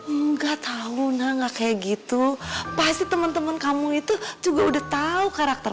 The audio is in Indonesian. eh nggak tahu nah nggak kayak gitu pasti temen temen kamu itu juga udah tahu karakter